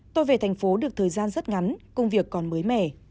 tôi về thành phố được thời gian rất ngắn công việc còn mới mẻ